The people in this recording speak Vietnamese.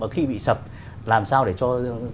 khi bị sập làm sao để cho